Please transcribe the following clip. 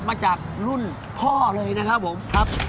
มาจากรุ่นพ่อเลยนะครับผมครับ